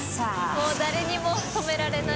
もう誰にも止められない。